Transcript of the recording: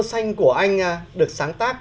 xanh của anh được sáng tác